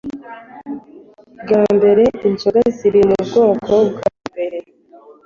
bwa mbere inzoga ziri mu bwoko bwa byeri